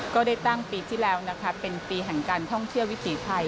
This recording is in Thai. ก็ได้ตั้งปีที่แล้วนะคะเป็นปีแห่งการท่องเที่ยววิถีภัย